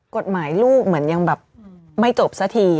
กฎหมายลูกเหมือนยังแบบไม่จบสักที